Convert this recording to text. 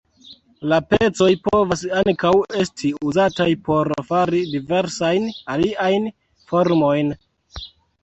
La pecoj povas ankaŭ esti uzataj por fari diversajn aliajn formojn.